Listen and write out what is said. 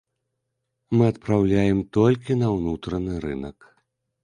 Мы адпраўляем толькі на ўнутраны рынак.